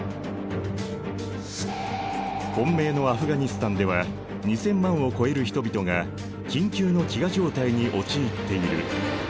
混迷のアフガニスタンでは２，０００万を超える人々が緊急の飢餓状態に陥っている。